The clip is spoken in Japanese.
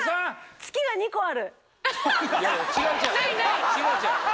月が２個ある。